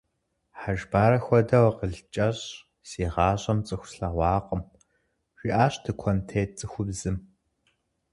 Хьэжбарэ хуэдэу акъыл кӀэщӀ си гъащӀэм цӀыху слъэгъуакъым, – жиӀащ тыкуэнтет цӀыхубзым.